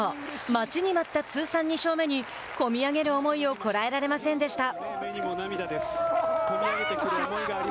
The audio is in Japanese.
待ちに待った通算２勝目に込み上げる思いをこらえられませんでした。